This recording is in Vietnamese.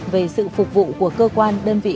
về sự phục vụ của cơ quan đơn vị